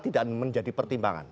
tidak menjadi pertimbangan